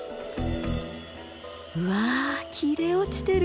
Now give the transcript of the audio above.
わあ切れ落ちてる！